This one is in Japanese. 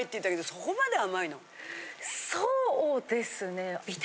そうですね。